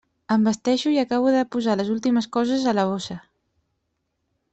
Em vesteixo i acabo de posar les últimes coses a la bossa.